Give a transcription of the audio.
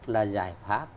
là giải pháp